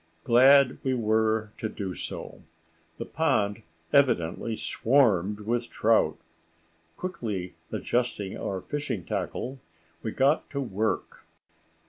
Glad were we to do so. The pond evidently swarmed with trout. Quickly adjusting our fishing tackle, we got to work.